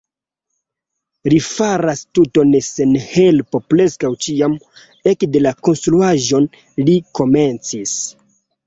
Li faras tuton sen helpo preskaŭ ĉiam, ekde la konstruaĵon li komencis.